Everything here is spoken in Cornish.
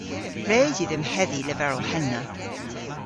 Res yw dhymm hedhi leverel henna.